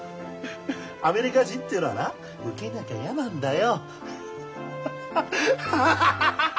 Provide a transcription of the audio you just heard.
アメリカ人っていうのはな受けなきゃやなんだよ。